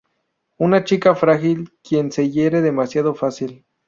Una chica frágil quien se hiere demasiado fácil.